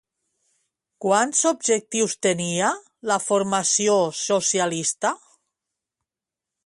Quants objectius tenia la formació socialista?